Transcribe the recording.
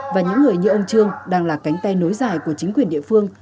và những người như ông trương đang là cánh tay nối dài của chính quyền địa phương